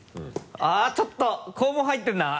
あっちょっと肛門入ってるな！